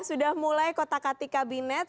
sudah mulai kota kati kabinet